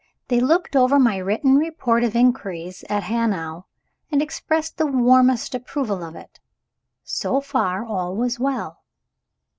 They looked over my written report of my inquiries at Hanau, and expressed the warmest approval of it. So far, all was well.